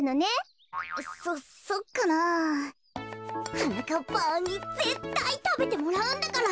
はなかっぱんにぜったいたべてもらうんだから。